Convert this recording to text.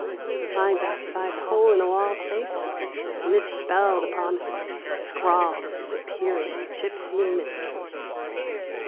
Signs outside the hole in a wall say so, misspell the promises, scrawl the superior g3npsy mysteries.